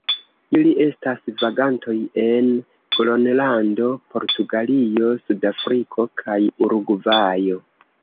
Ili estas vagantoj en Gronlando, Portugalio, Sudafriko kaj Urugvajo.